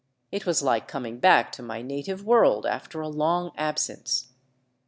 It was like coming back to my native world after a long absence.